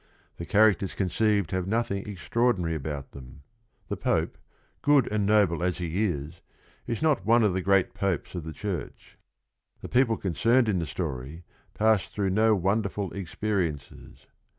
The characters conceived have noth ing extraordinary about them. The Pope, good and noble as he is, is not one of the great popes of the church. The people concerned in the story pass through no wonderful experiences.